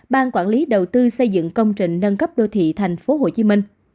ban quản lý đầu tư xây dựng công trình nâng cấp đô thị thành phố hồ chí minh